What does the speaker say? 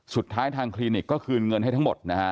ทางคลินิกก็คืนเงินให้ทั้งหมดนะฮะ